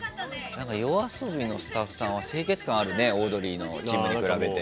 なんかＹＯＡＳＯＢＩのスタッフさんは清潔感あるねオードリーのチームに比べて。